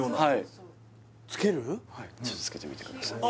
はいちょっとつけてみてください